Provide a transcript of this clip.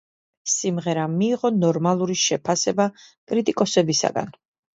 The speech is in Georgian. სიმღერამ მიიღო ნორმალური შეფასება კრიტიკოსებისგან.